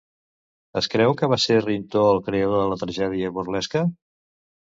Es creu que va ser Rintó el creador de la tragèdia burlesca?